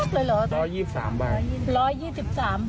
มี๑๒๓แล้วนะครับ